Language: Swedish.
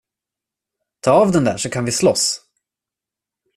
Ta av den där, så kan vi slåss!